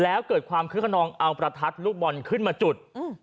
แล้วเกิดความคึกขนองเอาประทัดลูกบอลขึ้นมาจุด